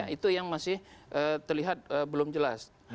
itu yang masih terlihat belum jelas